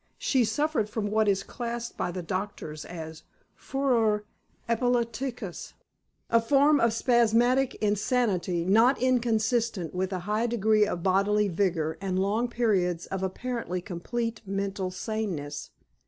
She suffered from what is classed by the doctors as furor epilepticus, a form of spasmodic insanity not inconsistent with a high degree of bodily vigor and long periods of apparently complete mental saneness.